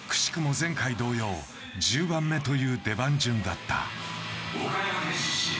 前回同様、１０番目という出番順だった。